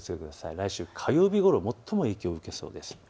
来週の火曜日ごろ、最も影響を受けそうです。